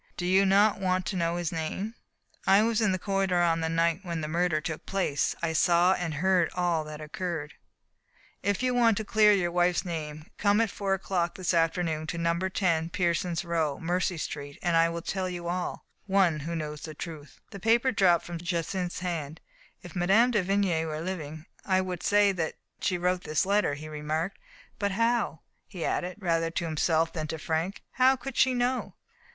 Do you not want to know his name? I was in the corn dor on the night when the murder took place ; I saw and heard all that occurred. Digitized by Google ADELmE SERGEANT, 271 '*If you want to clear your wife's name, come at four o'clock this afternoon to No. 10 Pearson's Row, Mersey Street, then I will tell you all. "One Who Knows the Truth." The paper dropped from Jacynth's hands. "If Mme. de Vigny were living I should say that she wrote this letter," he remarked. "But how," he added, rather to himself than to Frank, "how could she know?"